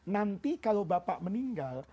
nanti kalau bapak meninggal